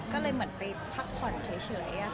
ก็เลยเหมือนไปพักผ่อนเฉย